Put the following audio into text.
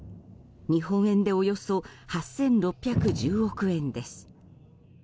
日本円でおよそ８６１０億円です。